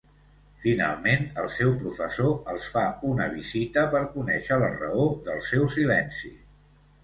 Finalment, el seu professor els fa una visita per conèixer la raó del seu silenci.